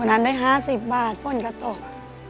วันนั้นได้ห้าสิบบาทพ่นกระตก